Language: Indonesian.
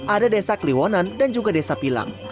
ada desa kliwonan dan juga desa pilang